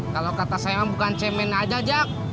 kalau kata saya emang bukan cemen aja jack